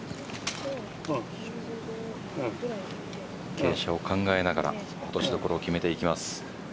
傾斜を考えながら落としどころを決めていきます。